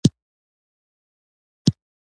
د کورنیو چارو وزیر نن وینا کوي